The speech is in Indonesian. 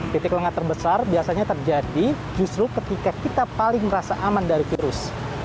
titik lengah terbesar biasanya terjadi justru ketika kita paling merasa aman dari virus